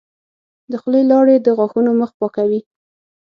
د خولې لاړې د غاښونو مخ پاکوي.